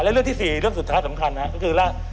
และเรื่องที่๔เรื่องสุดท้ายสำคัญนะครับก็คือว่า